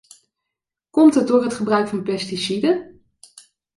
Komt het door het gebruik van pesticiden?